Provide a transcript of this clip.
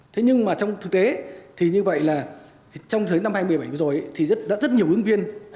thế nhưng mà trong thực tế thì như vậy là trong năm hai nghìn một mươi bảy vừa rồi thì đã rất nhiều ứng viên